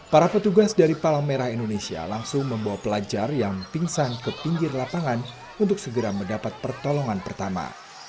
para petugas dari palang merah indonesia langsung membawa pelajar yang pingsan ke pinggir lapangan untuk segera mendapat pertolongan pertama